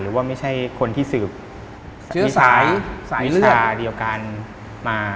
หรือว่าไม่ใช่คนที่สืบวิชาเดียวกันมา